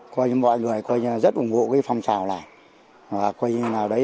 mọi người rất ủng hộ phong trào này